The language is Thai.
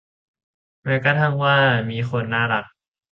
แม้กระทั่งว่ามีคนน่ารัก